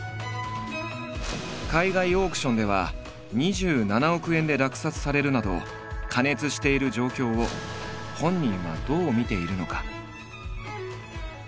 海外オークションでは２７億円で落札されるなど過熱している状況を本人はどう見ているのか。